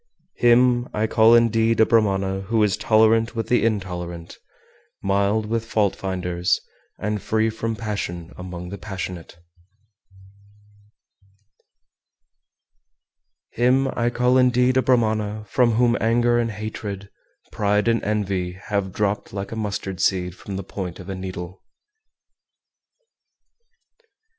406. Him I call indeed a Brahmana who is tolerant with the intolerant, mild with fault finders, and free from passion among the passionate. 407. Him I call indeed a Brahmana from whom anger and hatred, pride and envy have dropt like a mustard seed from the point of a needle.